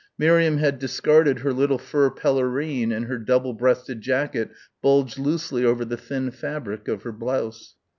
Miriam had discarded her little fur pelerine and her double breasted jacket bulged loosely over the thin fabric of her blouse.